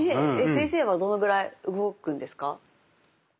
先生はどのぐらい動くんですか？